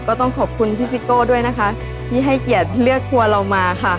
ก็ต้องขอบคุณพี่ซิโก้ด้วยนะคะที่ให้เกียรติเลือกครัวเรามาค่ะ